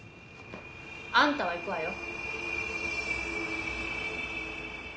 あんたは行くわよ。